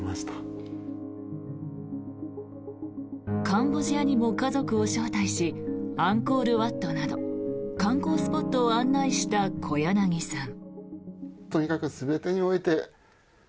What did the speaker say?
カンボジアにも家族を招待しアンコールワットなど観光スポットを案内した小柳さん。